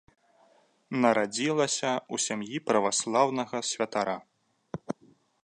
Нарадзілася ў сям'і праваслаўнага святара.